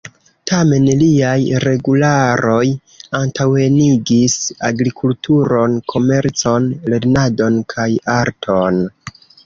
Tamen liaj regularoj antaŭenigis agrikulturon, komercon, lernadon kaj arton.